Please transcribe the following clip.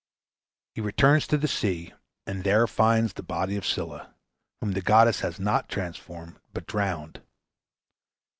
He returns to the sea, and there finds the body of Scylla, whom the goddess has not transformed but drowned.